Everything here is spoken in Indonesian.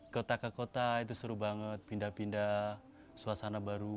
kota ke kota itu seru banget pindah pindah suasana baru